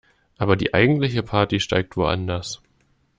Aber die eigentliche Party steigt woanders.